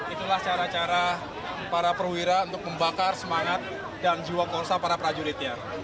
itulah cara cara para perwira untuk membakar semangat dan jiwa korsa para prajuritnya